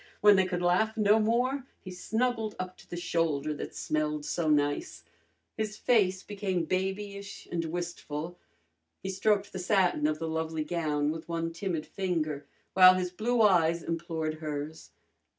When they could laugh no more he snuggled up to the shoulder that smelled so nice. His face became babyish and wistful. He stroked the satin of the lovely gown with one timid finger, while his blue eyes implored hers.